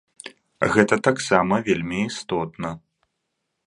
Гэта таксама вельмі істотна.